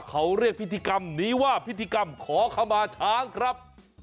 เขาเรียกพิธีกรรมนี้ว่าพิธีกรรมขอขมาช้างครับ